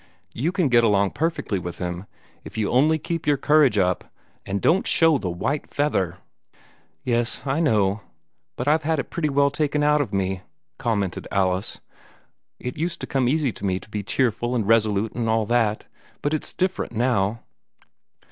You can get along perfectly with him, if you only keep your courage up, and don't show the white feather." "Yes, I know; but I've had it pretty well taken out of me," commented Alice. "It used to come easy to me to be cheerful and resolute and all that; but it's different now."